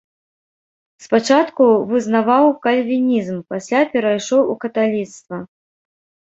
Спачатку вызнаваў кальвінізм, пасля перайшоў у каталіцтва.